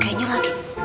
latihan terbakar doang